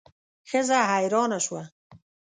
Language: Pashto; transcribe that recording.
ښځه حیرانه شوه.